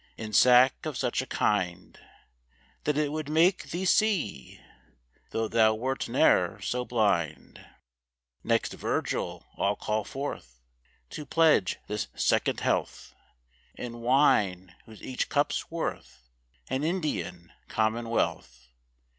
In sack of such a kind, That it would make thee see, Though thou wert ne'er so blind Next, Virgil I'll call forth, To pledge this second health In wine, whose each cup's worth An Indian commonwealth.